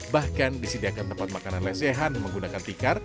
bahkan disediakan tempat makanan lesehan menggunakan tikar